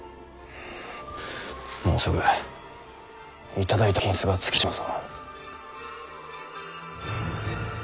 もうすぐ頂いた金子が尽きてしまうぞ。